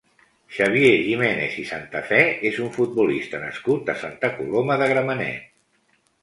Xavier Jiménez Santafé és un futbolista nascut a Santa Coloma de Gramenet.